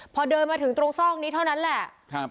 พอเดินมาถึงตรงซอกนี้เท่านั้นแหละ